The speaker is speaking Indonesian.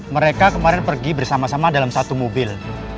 mereka kemarin pergi bersama sama dalam satu mobil